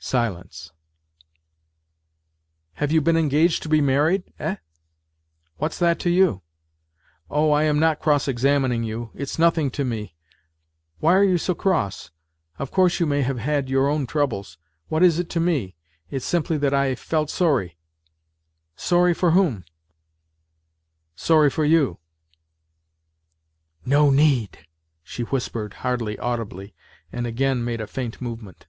Silence " Have you been engaged to be married ? Eh ?"" What's that to you ?"" Oh, I am not cross examining you. It's nothing to me. Why are you so cross ? Of course you may have had your own troubles. What is it to me ? It's simply that I felt sorry." " Sorry for whom ?"" Sorry for you." " No need," she whispered hardly audibly, and again made a faint movement.